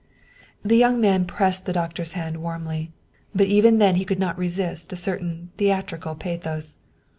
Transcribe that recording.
The young man pressed the doctor's hand warmly. But even then he could not resist a certain theatrical pathos.